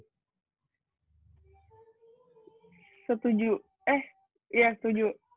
setuju eh iya setuju